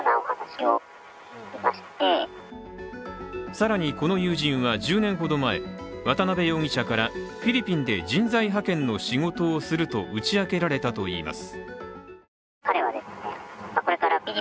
更にこの友人は１０年ほど前、渡辺容疑者からフィリピンで人材派遣の仕事をすると打ち明けられたといいます。